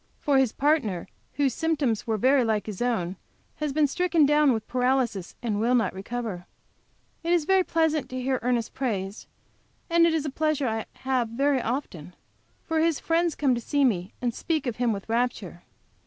For his partner, whose symptoms were very like his own, has been stricken down with paralysis, and will not recover. It is very pleasant to hear Ernest praised, and it is a pleasure I have very often, for his friends come to see me, and speak of him with rapture.